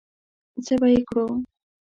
څه به یې کړو؟